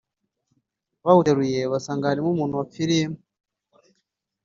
bawuteruye basanga harimo umuntu wapfiriyemo